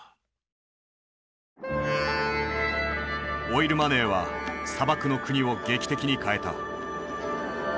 オイルマネーは砂漠の国を劇的に変えた。